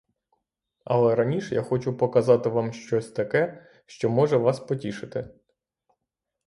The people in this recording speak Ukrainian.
Але раніш я хочу показати вам щось таке, що може вас потішити.